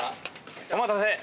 お待たせ。